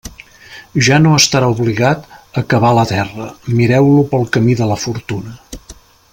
Ja no estarà obligat a cavar la terra; mireu-lo pel camí de la fortuna.